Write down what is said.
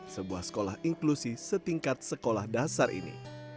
sebuah sekolah inklusi setingkat sekolah dasar ini